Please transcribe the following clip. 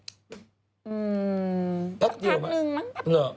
อืมสักพักนึงมั้งอือ